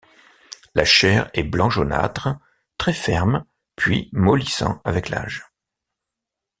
La chair est blanc-jaunâtre, très ferme puis mollissant avec l'âge.